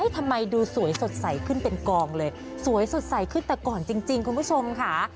ทำไมดูสวยสดใสขึ้นเป็นกองเลยสวยสดใสขึ้นแต่ก่อนจริงคุณผู้ชมค่ะ